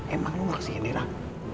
emang lu masih indirah